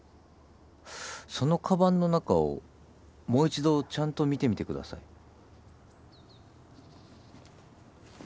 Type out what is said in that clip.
そのかばんの中をもう一度ちゃんと見てみてください。